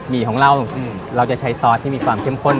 มีของเราเราจะใช้ซอสที่มีความเข้มข้น